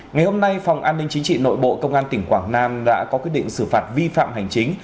ngày hôm nay phòng an ninh chính trị nội bộ công an tỉnh quảng nam đã có quyết định xử phạt vi phạm hành chính